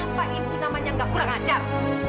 apa itu namanya nggak kurang ajar